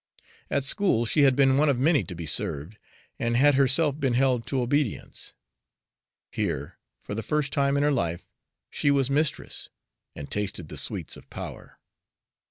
At school she had been one of many to be served, and had herself been held to obedience. Here, for the first time in her life, she was mistress, and tasted the sweets of power.